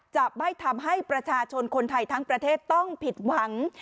จะไม่ทำให้ประชาชนคนไทยทั้งประเทศต้องผิดหวัง